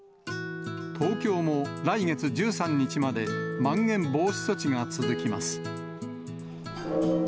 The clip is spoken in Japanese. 東京も来月１３日までまん延防止措置が続きます。